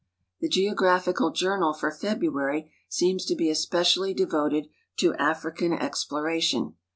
" The Geographical Journal" for February .^eems to be especially de voted to African exploration.